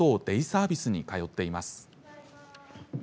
デイサービスに通っています。